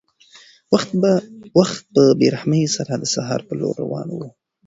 وخت په بې رحمۍ سره د سهار په لور روان و.